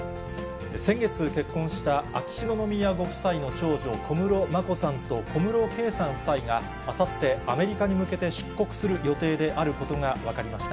先月結婚した秋篠宮ご夫妻の長女、小室眞子さんと小室圭さん夫妻が、あさって、アメリカに向けて出国する予定であることが分かりました。